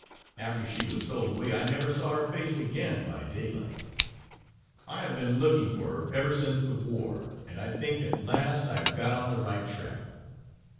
After she was sold away I never saw her face again by daylight. I have been looking for her ever since the war, and I think at last I have got on the right track.